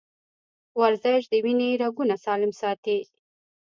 ورزش د وینې رګونه سالم ساتي.